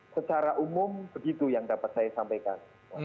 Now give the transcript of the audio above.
secara umum begitu yang dapat saya sampaikan